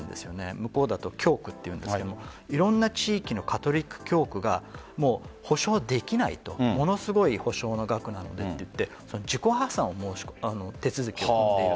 向こうだと教区というんですがいろんな地域のカトリック教区が補償できないものすごい補償の額だと言って自己破産の手続きをしている。